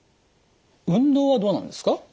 運動はどうなんですか？